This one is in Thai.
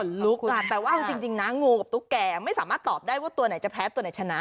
ขอบคุณครับแต่ว่าจริงนะงูกับตุ๊กแก่ไม่สามารถตอบได้ว่าตัวไหนจะแพ้ตัวไหนจะชนะ